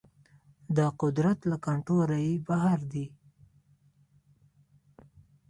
دا قدرت له کنټروله يې بهر دی.